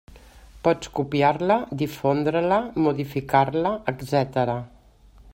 Pots copiar-la, difondre-la, modificar-la, etcètera.